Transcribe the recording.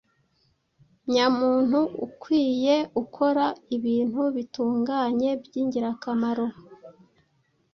Nyamuntu: ukwiye, ukora ibintu bitunganye, by’ingirakamaro.